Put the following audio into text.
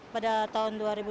pada tahun dua ribu dua puluh